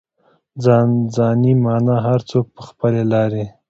ځان ځاني مانا هر څوک په خپلې لارې.